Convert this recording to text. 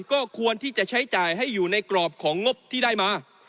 ก็ควรที่จะใช้จ่ายให้อยู่ในกรอบของงบที่ได้มา